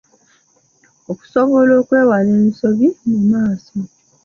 Okusobola okwewala ensobi mu maaso.